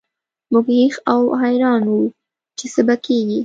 موږ هېښ او حیران وو چې څه به کیږي